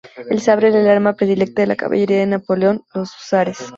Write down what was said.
El sable era el arma predilecta de la caballería de Napoleón, los húsares.